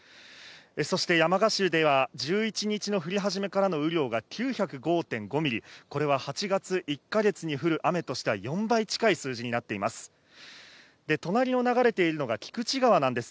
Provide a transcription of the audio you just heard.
そして山鹿市では１１日の降り始めからの雨量が９０５．５ミリ、これは８月１か月に降る雨の４倍近い数字になっています。